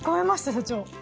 社長。